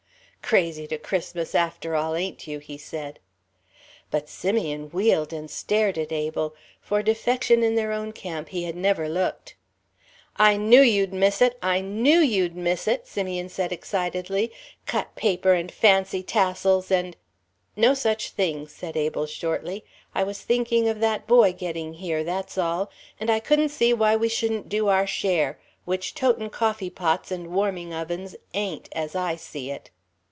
"Crazy to Christmas after all, ain't you?" he said. But Simeon wheeled and stared at Abel. For defection in their own camp he had never looked. "I knew you'd miss it I knew you'd miss it!" Simeon said excitedly, "cut paper and fancy tassels and " "No such thing," said Abel, shortly. "I was thinking of that boy getting here, that's all. And I couldn't see why we shouldn't do our share which totin' coffee pots and warming ovens ain't, as I see it."